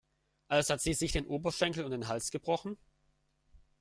Also hat sie sich den Oberschenkel und den Hals gebrochen?